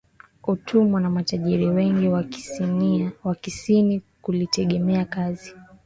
utumwa na matajiri wengi wa kusini walitegemea kazi